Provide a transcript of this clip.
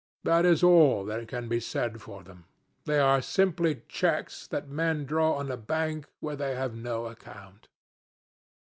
That is all that can be said for them. They are simply cheques that men draw on a bank where they have no account."